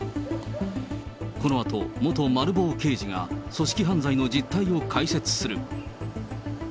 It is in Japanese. このあと、元マル暴刑事が、組織犯罪の実態を解説する。